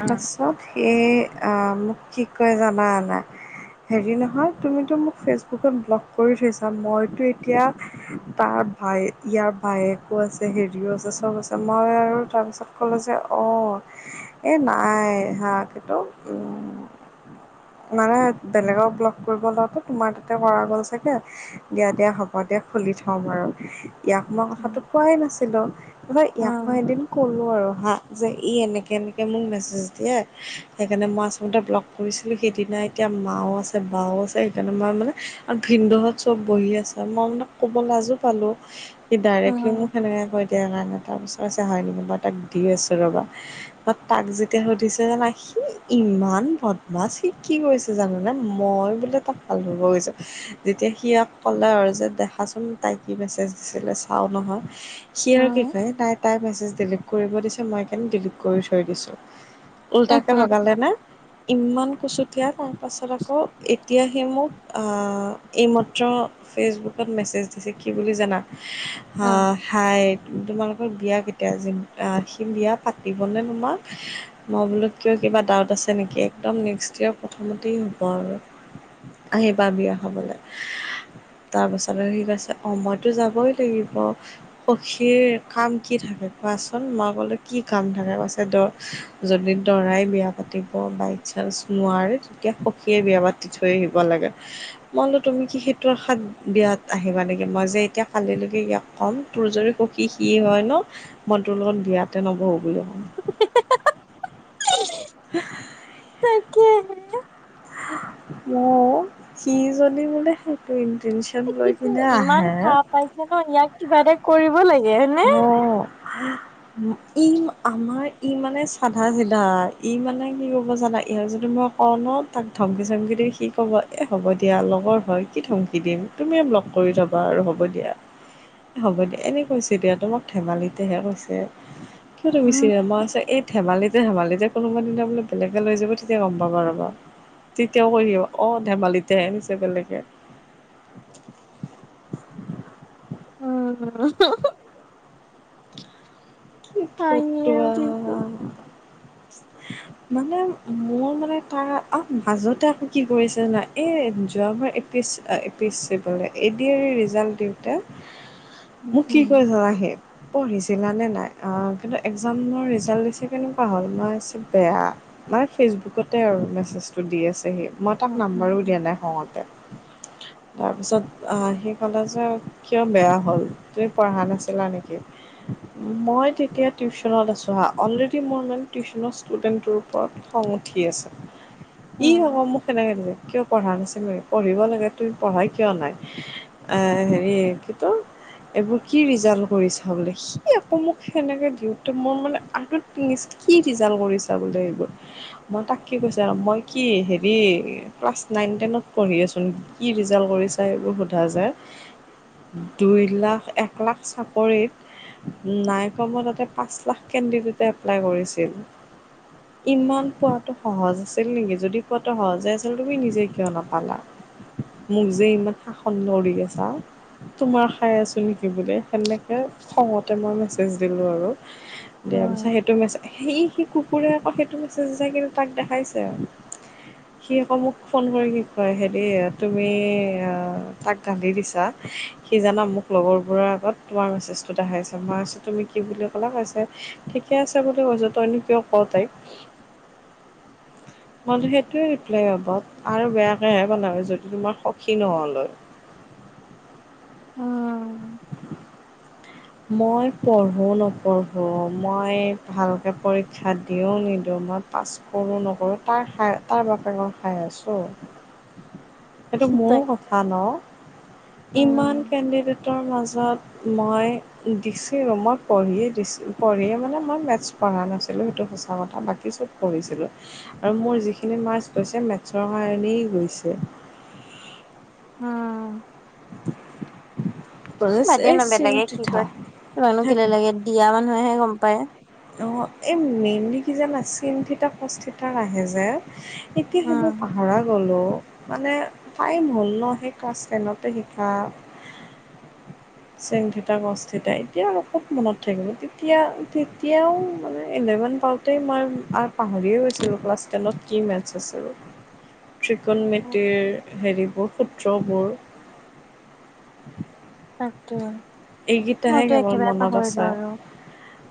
উম, পাছত সেয়ে আ মোক কি কয় জানা না? হেৰি নহয় তুমিতো মোক ফেচবুকত ব্লক কৰি থৈছা। মইটো এতিয়া তাৰ ভাই ইয়াৰ ভায়েকো আছে হেৰিও আছে চব আছে মই আৰু তাৰপিছত ক'লো যে অ এই নাই হাঁ কিন্তু মানে বেলেগক ব্লক কৰিব লওতে তোমাৰ তাতে কৰা গ'ল চাগে দিয়া দিয়া হ'ব দিয়া খুলি থ'ম বাৰু। ইয়াক মই উম, কথাটো কোৱাই নাছিলো কোনে ইয়াক মই উম, এদিন ক'লো আৰু হা যে ই এনেকে এনেকে মোক মেছেজ দিয়ে সেইকাৰণে মই আচলতে ব্লক কৰিছ- সেইদিনা এতিয়া মাঁও আছে বাও আছে সেইকাৰণে মই মানে আৰু ভিনদেউত চব বহি আছে মই মানে ক'ব লাজো পালো। [inaudible] সি ডাইৰেক্টলি মোক উম, সেনেকে কৈ দিয়া কাৰণে তাৰপিছত হৈছে হয় নেকি মই তাক দি আছো ৰ'বা। বা তাক যেতিয়া সুধিছে জানা সি ইমান ভদ- মাচ সি কি কৰিছে জান নে মই বোলে তাক ভাল পাব গৈছো। তেতিয়া সি আকৌ ক'লে আৰু যে দেখাচোন তাই কি মেছেজ দিছিলে চাও নহয় সি আৰু কি উম, কয় তাই তাই মেছেজ ডিলিট কৰিব দিছে মই এইকাৰণে ডিলিট কৰি থৈ দিছোঁ। উল্টাকে লগালেনে ইমান কচুটীয়া তাৰপাছত আকৌ এতিয়া সি মোক আহ এইমাত্ৰ ফেচবুকত মেছেজ দিছে কি বুলি জানা হা উম। হাই তোমালোকৰ বিয়া কেতিয়া আছে সি বিয়া পাতিবনে তোমাক মই বোলো কিয় কিবা ডাউট আছে নেকি একদম নেক্সত ইয়েৰ প্ৰথমতেই হ'ব আৰু। আহিবা বিয়া খাবলে। তাৰ পাছত আৰু সি কৈছে মইতো যাবই লাগিব। সখীৰ কাম কি থাকে কোৱাচোন মই বোলো কি কাম থাকে কৈছে দ- যদি দৰাই বিয়া পাতিব বাই চেচ্ছ নোৱাৰে তেতিয়া সখীয়ে বিয়া পাতি থৈ আহিব লাগে মই বলো তুমি কি সেইটো আশাত বিয়াত আহিবা লাগে মই যে এতিয়া কালি লৈকে ইয়া ক'ম তোৰ যদি সখী সি হয় ন মই তোৰ লগত বিয়াতে নবহোঁ বোলো [unintelligible] হুে তাকেহে হা অ সি যদি বোলে সেইটো ইণ্টেনচি কিন্তু ইমান সাহ পাইছে ন ইয়াক কিবা এটা কৰিব লাগিব উম আহ উম ই আমাৰ ই মানে চাধা চিধা ই মানে কি ক'ব জানা ইয়াক যদি মই। অহ ন তাক ধমকি চমকি দি সি ক'ব এই হ'ব দিয়া লগৰ হয় কি ধমকি দিম তুমিয়ে ব্লক কৰি থ'বা আৰু হ'ব দিয়া হ'ব দিয়া এনে হৈছে দিয়া তোমাক ধেমালিতেহে কৈছে কিয় তুমি উম। চিৰিয়া মই আছ এই ধেমালিতে ধেমালিতে কোনোবা দিনা বোলে বেলেগে লৈ যাব তেতিয়া গম পাবা ৰবা। তেতিয়াও কৈ দিব অহ ধেমালিতেহে নিছে বেলেগে উম উহৌ উহ। [unintelligible] কি হাঁহিয়ে ফটোৱা হয় উঠিছে। আহ মানে মোৰ মানে তাৰ আ মাজতে আকৌ কি কৰিছে জানা এ যোৱাবাৰ পি এছ পি এছ পিচ্ছীপাল পালে ডি এৰ ডি ৰিজাল্ট দিওঁতে [unintelligible] মোক কি উম কয় জানা পঢ়িছিলা নে নাই। ‌অহ কিন্তু একজামৰ ৰিজাল্ট দিছে কেনেকুৱা হ'ল মই কৈছো বেয়া মানে ফেচবুকতে আৰু মেছেজটো দি আছে সি মই তাক নাম্বাৰো দিয়া নাই খংতে। উ [unintelligible] তাৰপিছত অহ সি ক'লে যে কিয় বেয়া হ'ল তুমি পঢ়া নাছিলা নেকি। মই তেতিয়া টিউচনত আছো হা অলৰেডি মোৰ মানে টিউচনৰ ষ্টুডেণ্টতোৰ ওপৰত। খং উঠি আছে ই উম। আকৌ মোক তেনেকে কলে। কিয় পঢ়া নাছিল পঢ়িব লাগে তুমি পঢ়াই কিয় নাই। এহ হেৰি কিতো এইবোৰ কি ৰিজাল্ট কৰিছ বোলে সি আকৌ মোক। সেনেকে দিওঁতে মোৰ মানে আৰু কি ৰিজাল্ট কৰিছা বোলে সেইবোৰ মই তাক কি কৈছো জানা মই কি হেৰি ক্লাছ নাইন টেনত পঢ়ি আছো কি ৰিজাল্ট কৰিছা সেইবোৰ সোধা যায়। উ [unintelligible] দুই লাখ এক লাখ চাকৰিত নাই। কম তাতে পাঁচ লাখ কেণ্ডিডেটে এপ্লাই কৰিছিল। ইমান পোৱাতো সহজ আছিল নেকি যদি পোৱাতো সহজে আছিল তুমি নিজে কিয় নাপালা। উ [unintelligible] মোক যে ইমান শাসন কৰি আছা। তোমাৰ খাই আছোঁ নেকি বুলি সেনেকে খঙতে মই মেছেজ দিলোঁ আৰু। দিয়া পিছেত উম, সেইটো মেছেজ সেই সি কুকুৰে আকৌ সেইটো মেছেজ যায় কিন্তু তাক দেখাইছে। সি আকৌ মোক ফোন কৰি কি কয় হেৰি তুমি তাক কান্ধি দিছা। সি জানা মোক লগৰবোৰ আগত তোমাৰ মেছেজটোত দেখাইছে মই তুমি কি বুলি ক'লা কৈছে ঠিকে আছে বুলি কৈছা তইনো কিয় ক তাইক [unintelligible] মইতো সেইটোৱে ৰিপ্লাই হ'ব আৰু বেয়াকেহে বনাৱ যদি তোমাৰ সখী নহ'ল হয়। অহহ মই পঢ়োঁ নপঢ়োঁ মই ভালকৈ পৰীক্ষা দিওঁ নিদিওঁ ম পাছ কৰোঁ নকৰোঁ তাৰ খাই তাৰ বাপেক খাই আছোঁ সেইটো মোৰ তাক কথা ন ইমান উম, কেণ্ডিডেটৰ মাজত মই ডিচি ৰুমত পঢ়িয়েই ডিচি পঢ়িয়ে মানে মই মেথছ পঢ়া নাছিলোঁ সেইটো সঁচা কথা বাকী চব কৰিছিলোঁ আৰু মোৰ যিখিনি মাৰছ গৈছে মেথছৰ কাৰণেই গৈছে [unintelligible] উম বাদ দিয়া এই না বেলেগে কি চিমটিঠা কয় [unintelligible] লাগে দিয়া মানুহেহে গম পায় অঁ এই মেইনলি কি যানা চেন থিটা ক'চ থিটা নাহে যে এতিয়া উম। সেইবোৰ পাহৰা গ'লোঁ মানে টাইম হ'ল ন সেই ক্লাছ টেনতে শিকা চেনথিতা কছ থিতা এতিয়া আৰু খুব মনত থাকিব তেতিয়া তেতিয়াও মানে ইলেভেন প তোতেই মই আৰু পাহৰিয়ে গৈছিলোঁ ক্লাছ টেনত কি মেথছ আছিলোঁ [unintelligible] ত্ৰিকন মেতিৰ হেৰিবোৰ সূত্ৰবোৰ তাকে এইকেইটাহে মইতো কেৱল একেবাৰে মনত আছে পাহৰিলো আৰু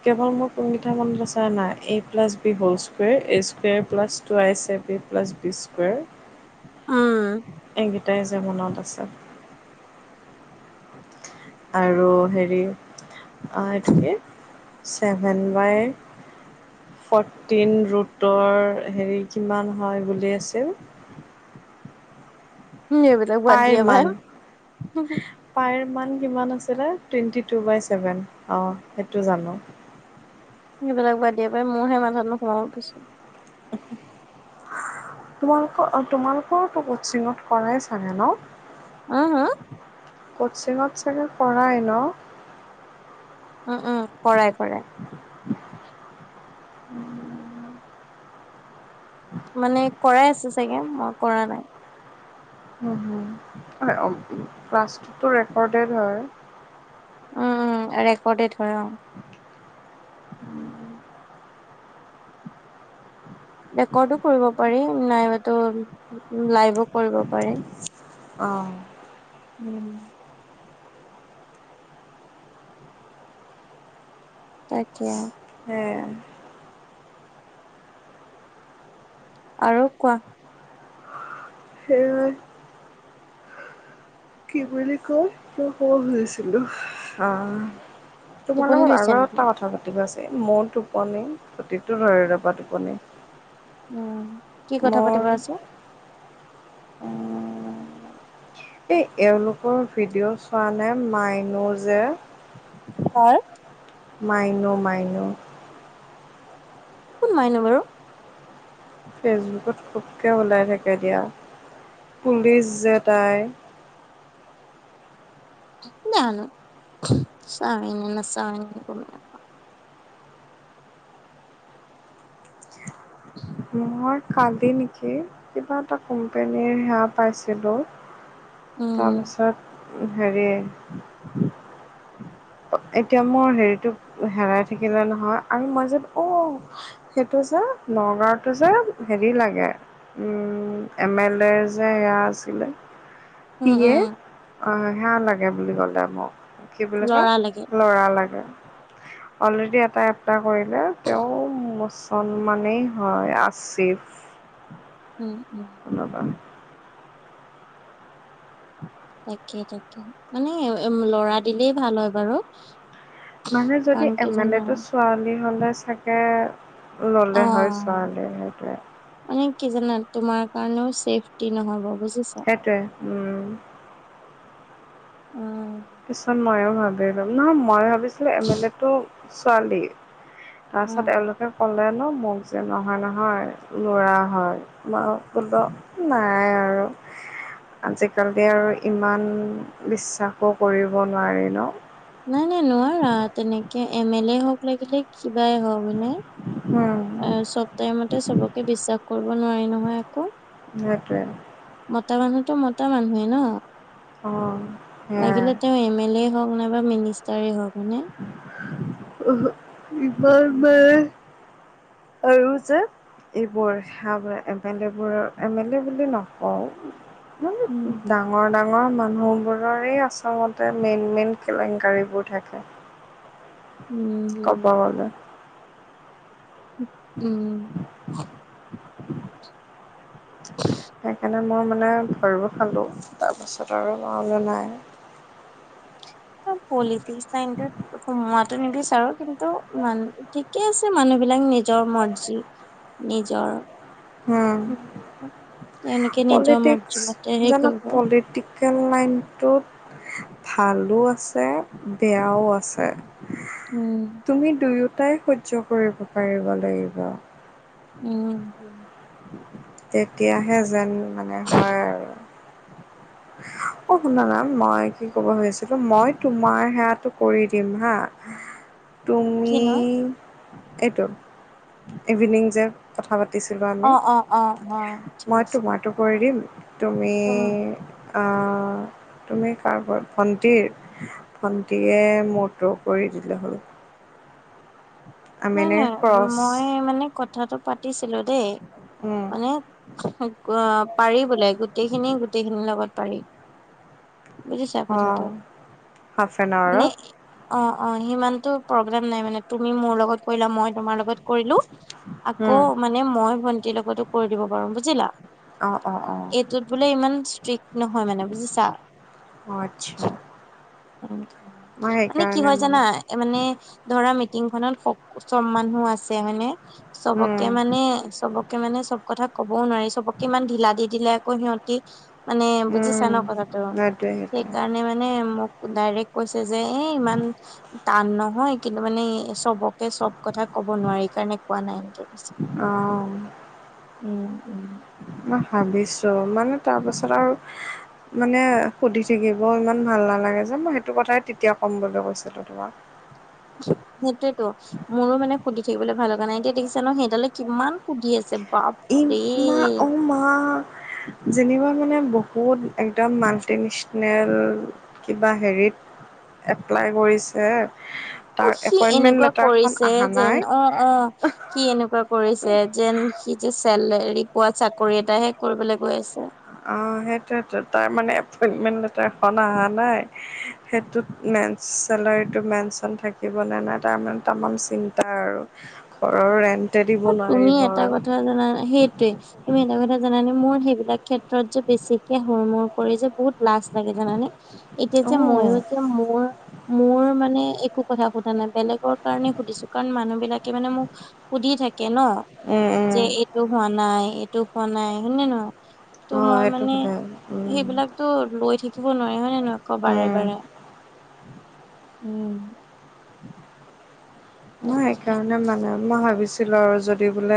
কেৱল মোৰ কোনকেইটা মনলৈ চা নাই a plus b whole square a square plus two আইছেভ এ প্লাছ বি স্কুৱাৰ [unintelligible] এইকেইটাই যে মনত আছে। আৰু হেৰি এইটো কি চেভেন বাই ফৰ্টিন ৰুটৰ হেৰি কিমান হয় বুলি আছিল? উম, এইবিলাক বাদ পাইৰ দিয়া বা মান পাইৰ মান কিমান আছিলে টুৱেণ্টি টো বাই চেভেন অ, সেইটো জানো। সেইবিলাক বাদ দিয়া ইবাৰ মোৰহে মাথাত নো সোমাব পিছে। [unintelligible] তোমালোকৰ, তোমালোকৰো কোচিঙত কৰাই চাগে ন। অ হা কোচিঙত চাগৈ কৰাই ন উম উম কৰাই কৰাই মানে কৰাই আছে চাগে মই কৰা নাই মানে অ ক্লাছটোতো ৰেকৰ্ডেড হয়। উম, উম, ৰেকৰ্ডেড হয় অ'। উম। ৰেকৰ্ডো কৰিব পাৰি, নাইবাতো লাইভো কৰিব পাৰি। আহ। উম। তাকে। হে আৰু কোৱা? হুম। কি বুলি কয়, মই ক'ব খুজিছিলো আহ। তোমাৰ টোপনি লগত ধৰিছে আৰু নেকি? এটা কথা পাতিব আছে, মোৰ টোপনি প্ৰতিটো ধৰি ৰবা টোপনি উম, কি কথা মোৰ পাতিব আছে? উম, এই, এওঁলোকৰ ভিডিঅ' চোৱা নে মাইনো যে। কাৰ? [unintelligible] মাইনো, মাইনো। কোন মাইনো বাৰু? ফেচবুকত খুবকৈ ওলাই থাকে দিয়া, পুলিচ যে তাই। জানো চাই নে নেচাও গম নেপাও মই কালি নেকি কিবা এটা কোম্পেনীৰ সেয়া পাইছিলো। উম, তাৰপিছত হেৰি এতিয়া মোৰ হেৰিটো হেৰাই থাকিলে নহয়, আৰু মই যেন অ'। সেইটো যে নগাঁওটোৰ যে হেৰি লাগে। উম, এম এল এৰ যে সেয়া আছিলে। উম, পিয়ে উম, অ, সেয়া লাগে বুলি ক'লে মোক কি বুলি কয়? ল'ৰা লাগে ল'ৰা লাগে। অ'লৰেদি এটা অপ্লাই কৰিলে তেওঁ মুছলিম মুছলমানে হয় আচীফ। উম, উম। [inaudible] [inaudible] তাকে, তাকে মানে ল'ৰা দিলেই ভাল হয় বাৰু। মানে যদি কাৰণ কি এম এল জানা এ তটো ছোৱালী হ'লে চাগে অ ল'লে হয়, ছোৱালী সেইটোৱে। মানে কি জানা তোমাৰ কাৰণেও চেফটি নহব বুজিছা। সেইটোৱেই, উম। অ। পিছত ময়ো ভাবিলো নহ মই ভাবিছিলো এম এল এ তটো ছোৱালী। তাৰপিছত এওঁলোকে ক'লে ক'লে ন মোক যে নহয়, নহয় ল'ৰা হয় মই কলোঁ। নাই আৰু আজিকালি আৰু ইমান বিশ্বাস কাকো কৰিব নোৱাৰি ন। নাই নাই নোৱাৰা তেনেকে এম এল এ হওক লাগিলে কিবাই হওক। উম [inaudible] চব টাইমতে চবকে বিশ্বাস কৰিব নোৱাৰি নহয় আকৌ। সেইটোৱে। মতা মানুহতো মতা মানুহে ন। অঁ। লাগিলে তেওঁ এম এল এ হওক নাইবা মিনিষ্টাৰেই হওক হয়নে। [inaudible] ইমান মানে, উম আৰু যে এইবোৰ সে এম এল এবোৰৰ এম এল এ বুলি নকওঁ। উম উম ডাঙৰ ডাঙৰ ডাঙৰ মানুহবোৰৰেই আচলতে মেইন মেইন কেলেংকাৰীবোৰ থাকে। উম। কপাবলে। উম। সেইকাৰণে মই মানে ভয়ো খালোঁ তাৰপাছত আৰু মই ভাবিলোঁ নাই। অ পলিটিক্স লাইনটো সোমোৱটো নিবিচাৰো কিন্তু মান ঠিকে আছে মানুহ বিলাক নিজৰ মৰ্জি। নিজৰ। উম, এনেকে নিজৰ মৰ্জী মতে কৰিব। কেন লাইনটোত- ভালো আছে বেয়াও আছে। উম। তুমি দুয়োটাই সহ্য কৰিব পাৰিব লাগিব। উম। তেতিয়াহে যেন মানে হয় আৰু। অঁ শুনা না, মই কি ক'ব খুজিছিলোঁ মই তোমাৰ সেৱাটো কৰি দিম হাঁ'। [unintelligible] তুমি কিনো এইটো ইভিনিং যে- কথা পাতিছিলোঁ আমি, অ অ অ অ ঠিক মই আছে তোমাৰটো - কৰি দিম, তুমি উম আ'- তুমি কাৰোবাৰ ভণ্টীৰ, ভণ্টীয়ে মোৰটো কৰি দিলে হ'ল। আমি নাই এনেকৈ নাই, ক্ৰছ মই মানে ক- কথাটো পাতিছিলো দেই মানে অ'- পাৰি বোলে গোটেইখিনি, গোটেইখিনিৰ লগত পাৰি। বুজিছা অঁ কথাটো হাফ এন আৱাৰত মানে- অঁ অঁ, সিমানটো প্ৰব্লেম নাই মানে তুমি মোৰ লগত কৰিলা, মই তোমাৰ লগত- কৰিলো, আকৌ অঁ মানে মই ভন্টিৰ লগতো কৰি দিব পাৰো বুজিলা। অঁ অঁ অঁ। যত বোলে ইমান ষ্ট্ৰিক্ট নহয় মানে বুজিছা। অঁ আচ্ছা উমঁ উমঁ, মই মানে কি সেইকাৰণে হয় জানা মানে মানে ধৰা মিটিংখনত- চব মানুহ আছে মানে চবকে উম, মানে চবক- কে মানে চ'ব কথা কবও নোৱাৰি, চবকে ইমান ঢিলা দি দিলে আকৌ সিহঁতি- মানে বুজিছা উম, ন' কথাাটো সেইটোৱে সেইটোৱে সেইকাৰণে- মানে মানে মোক ডাইৰেক্ট কৈছে যে এই ইমান টান নহয়- কিন্তু মানে চবকে চ'ব কথা ক'ব নোৱাৰি কাৰণে কোৱা নাই এনেকে কৈছে। অঁ। উম উম। মই ভাবিছোঁ মানে তাৰপাছত আৰু- মানে সুধি থাকিব ইমান ভাল নালাগে যে মই সেইটো কথাই তেতিয়া ক'ম বুলি কৈছিলো তোমাক। সেইটোৱেটো। মোৰো মানে সুধি থাকিবলৈ ভাল লগা নাই এতিয়া দেখিছা ন' সেইডালে কিমান সুধি আছে বা- [unintelligible] ও মা। যেনিবা মানে বহুত একদম মাল্টিনিচনা কিবা হেৰিত- এপ্লাই কৰিছে। অঁ, তাৰ সি এপইণ্টমেণ্ট এনেকুৱা লেটাৰখন কৰিছে অহা যেন নাই অহ- অহ'- সি এনেকুৱা কৰিছে যেন সি যে চেলাৰি পোৱা চাকৰি এটা হে কৰিবলৈ গৈ আছে। আহ' সেইটোৱেইটো, তাৰ মানে এপইন্টমেন্ট লেটাৰ এখন অহা নাই- সেইটোত মেনচ, চেলাৰীটো মেনচন থাকিবনে নাই তাৰ মানে তামাম চি- চিন্তা আৰু ঘৰৰো ৰেণ্ট- তুমি এটা কথা জানানে, সেইটোৱেই। তুমি এটা কথা জানানে মোৰ সেইবিলাক ক্ষেত্ৰত যে বেছিকে হুৰ মূৰ কৰি যে বহুত- লাজ লাগে জানানে, এতিয়া যে মইও যে মোৰ- মোৰ মানে একো কথা শুধা নাই বেলেগ। তোৰ কাৰণে সুধিছো কাৰণ মানুহ বিলাকে মানে মোক সুধিএ থাকে। কে ন যে অ' এইটো হোৱা নাই এইটো কোৱা নাই হয় নে নহয়। তো' অ', মই সেইটো মানে সোধে উম, সেইবিলাক। তো লৈ থাকিব নোৱাৰি হয় নে নহয় ক বাৰে উম, বাৰে উমঁ। মই সেই তাকে কাৰণে মানে মই ভাবিছিলো আৰু যদি বোলে,,,